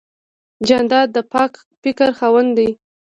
جانداد د پاک فکر خاوند دی.